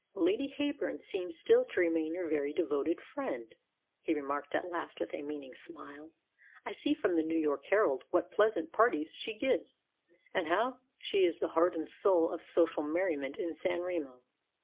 "Lady Heyburn seems still to remain your very devoted friend," he remarked at last with a meaning smile. "I see from the New York Herald what pleasant parties she gives, and how she is the heart and soul of social merriment in San Remo.